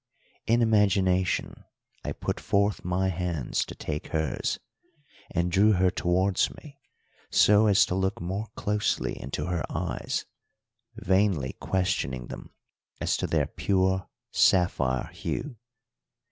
In imagination I put forth my hands to take hers, and drew her towards me so as to look more closely into her eyes, vainly questioning them as to their pure sapphire hue.